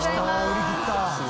売り切った。